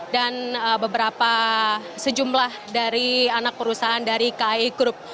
dan beberapa sejumlah dari anak perusahaan dari kai group